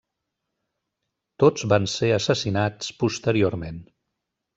Tots van ser assassinats posteriorment.